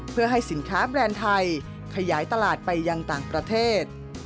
เพื่อให้สินค้าแบรนด์ไทยขยายตลาดไปยังต่างประเทศ